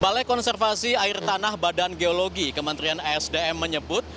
balai konservasi air tanah badan geologi kementerian esdm menyebut